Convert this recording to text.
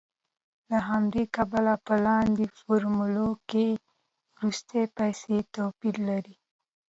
له همدې کبله په لاندې فورمول کې وروستۍ پیسې توپیر لري